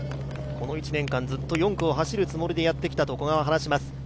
この１年間、ずっと４区を走るつもりでやってきたと古賀は話します。